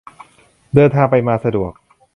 เดินทางไปมาสะดวก